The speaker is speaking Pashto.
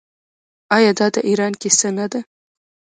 آیا دا د ایران کیسه نه ده؟